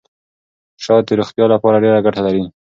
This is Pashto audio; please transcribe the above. شات د روغتیا لپاره ډېره ګټه لري.